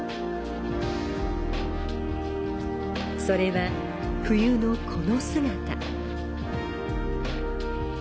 それは冬のこの姿。